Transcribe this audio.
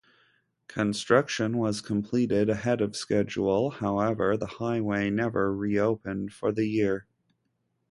Construction was completed ahead of schedule however the highway never reopened for the year.